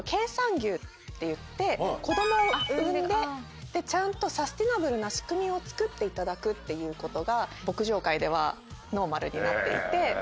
子供を産んでちゃんとサステナブルな仕組みを作っていただくっていうことが牧場界ではノーマルになっていて。